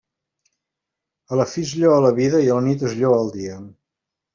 A la fi es lloa la vida, i a la nit es lloa el dia.